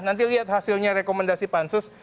nanti lihat hasilnya rekomendasi pansus